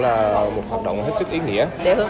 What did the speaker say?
đây là một hoạt động hết sức ý nghĩa